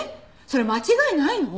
それ間違いないの？